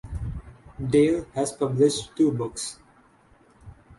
Dale has published two books.